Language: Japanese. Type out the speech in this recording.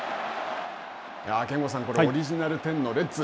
憲剛さん、オリジナル１０のレッズ。